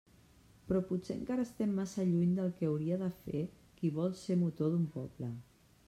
Però potser encara estem massa lluny del que hauria de fer qui vol ser motor d'un poble.